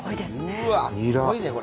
うわっすごいねこれ。